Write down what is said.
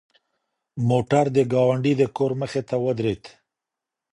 موټر د ګاونډي د کور مخې ته ودرېد.